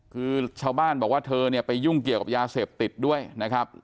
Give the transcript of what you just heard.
คือชาวบ้านบอกว่าเธอเนี่ยไปยุ่งเกี่ยวกับยาเสพติดด้วยนะครับ